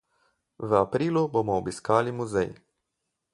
V aprilu bomo obiskali muzej.